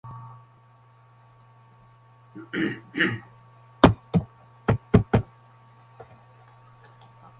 Mehnat muhojirlarining hayoti va sog‘lig‘ini sug‘urtalash haqida ma’lum qilindi